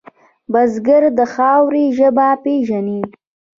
بزګر د خاورې ژبه پېژني